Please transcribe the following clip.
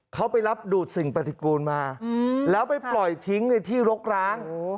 เขาไปรับดูดสิ่งปฏิกูลมาแล้วไปปล่อยทิ้งในที่รกร้าง